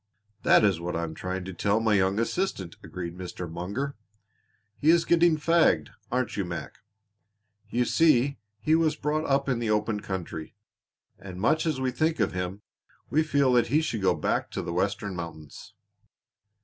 "That is what I am trying to tell my young assistant," agreed Mr. Munger. "He is getting fagged, aren't you, Mac? You see he was brought up in the open country, and much as we think of him, we feel that he should go back to the Western mountains."